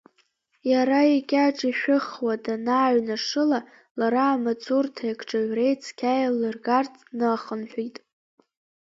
Иара икьаҿ ишәыхуа данааҩнашыла, лара амаҵурҭеи акҿаҩреи цқьа еиллыргарц, днахынҳәит.